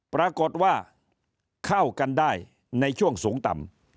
ปรากฏว่าเข้ากันได้ในช่วงสูงต่ำ